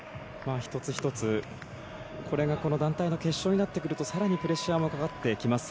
１つ１つこれが団体の決勝になってくると更にプレッシャーもかかってきます。